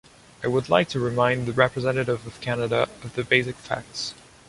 I would like to remind the representative of Canada of the basic facts.